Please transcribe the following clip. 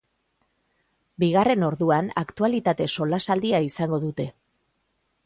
Bigarren orduan aktualitate solasaldia izango dute.